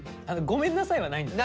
「ごめんなさい」はないんだ。